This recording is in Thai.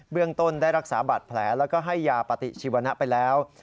เรื่องต้นได้รักษาบัตรแผลแล้วก็ให้ยาปฏิชีวนะไปแล้ว